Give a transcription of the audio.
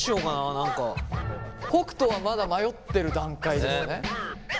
北斗はまだ迷ってる段階ですね。